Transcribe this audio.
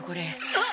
あっ！